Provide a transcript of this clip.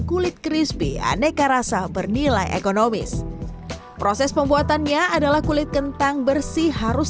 kulit crispy aneka rasa bernilai ekonomis proses pembuatannya adalah kulit kentang bersih harus